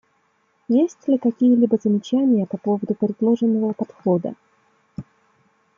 Есть ли какие-либо замечания по поводу предложенного подхода?